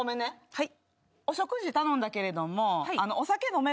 はい。